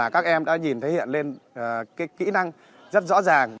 các em đã nhìn thấy hiện lên kỹ năng rất rõ ràng